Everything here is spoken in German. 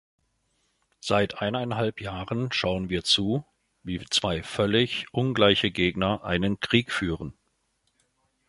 Seit eineinhalb Jahren schauen wir zu, wie zwei völlig ungleiche Gegner einen Krieg führen.